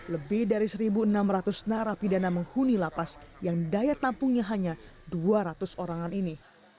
lebih dari satu enam ratus narapidana menghuni lapas yang daya tampungnya hanya dua ratus orangan ini